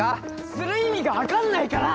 する意味が分かんないから！